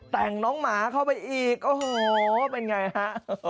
แต่งน้องหมาเข้าไปอีกโอ้โหเป็นไงฮะ